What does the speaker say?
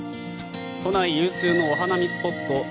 都内有数のお花見スポット